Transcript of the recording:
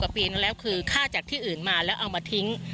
ปีนึงแล้วคือฆ่าจากที่อื่นมาแล้วเอามาทิ้ง